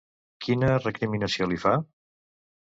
Quina recriminació li fa?